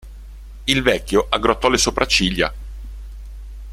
Il vecchio aggrottò le sopracciglia.